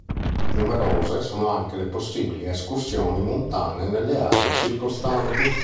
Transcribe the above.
Numerose sono anche le possibili escursioni montane nelle aree circostanti.